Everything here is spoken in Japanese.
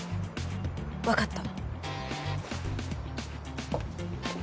わかった。